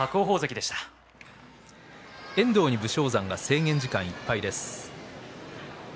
遠藤に武将山制限時間いっぱいです。